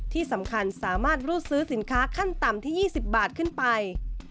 ที่สำคัญสามารถรูดซื้อสินค้าขั้นต่ำที่๒๐บาทขึ้นไป